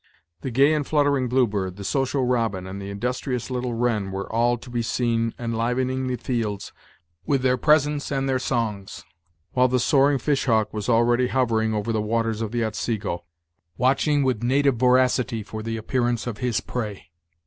The gay and fluttering blue bird, the social robin, and the industrious little wren were all to be seen enlivening the fields with their presence and their songs; while the soaring fish hawk was already hovering over the waters of the Otsego, watching with native voracity for the appearance of his prey.